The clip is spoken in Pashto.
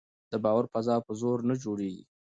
د باور فضا په زور نه جوړېږي